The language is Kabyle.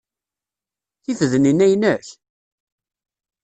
Tifednin-a inek?